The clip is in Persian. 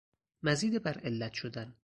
مزید بر علت شدن